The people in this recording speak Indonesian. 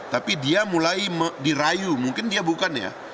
tapi dia mulai dirayu mungkin dia bukan ya